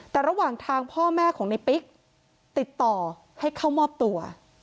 แต่ระหว่างทางพ่อแม่ของในปิ๊กติดต่อให้เข้ามอบตัว